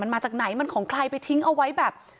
มันมาจากไหนมันของใครไปทิ้งเอาไว้แบบ